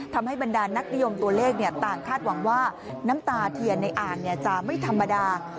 บรรดานักนิยมตัวเลขต่างคาดหวังว่าน้ำตาเทียนในอ่างจะไม่ธรรมดา